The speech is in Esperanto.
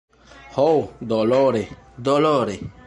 Ho, dolore, dolore!